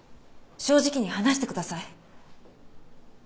正直に話してください。